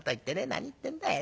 何言ってんだい。